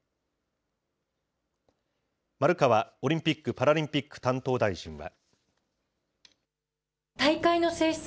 丸川オリンピック・パラリンピック担当大臣は。